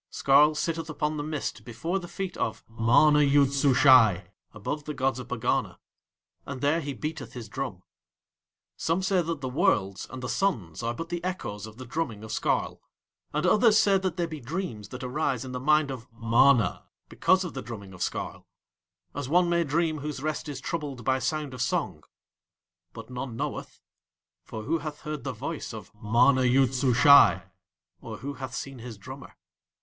Skarl sitteth upon the mist before the feet of MANA YOOD SUSHAI, above the gods of Pegana, and there he beateth his drum. Some say that the Worlds and the Suns are but the echoes of the drumming of Skarl, and others say that they be dreams that arise in the mind of MANA because of the drumming of Skarl, as one may dream whose rest is troubled by sound of song, but none knoweth, for who hath heard the voice of MANA YOOD SUSHAI, or who hath seen his drummer?